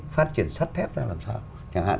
phát triển sắt thép ra làm sao chẳng hạn